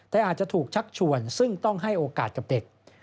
แต่อาจจะถูกชักชวนซึ่งต้องให้โอกาสกับเด็ก